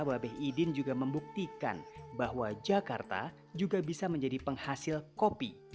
wabeh idin juga membuktikan bahwa jakarta juga bisa menjadi penghasil kopi